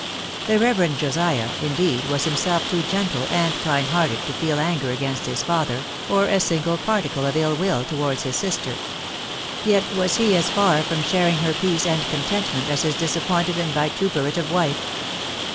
The reverend Josiah, indeed, was himself too gentle and kind hearted to feel anger against his father, or a single particle of ill will towards his sister ; yet was he as far from sharing her peaoe and contentment as his disappointed and vituperative wife.